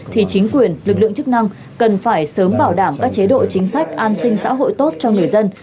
thì chính quyền lực lượng chức năng cần phải sớm bảo đảm các chế độ chính sách an sinh xã hội tốt cho người dân